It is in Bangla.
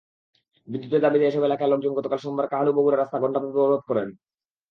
বিদ্যুতের দাবিতে এসব এলাকার লোকজন গতকাল সোমবার কাহালু-বগুড়া রাস্তা ঘণ্টাব্যাপী অবরোধ করেন।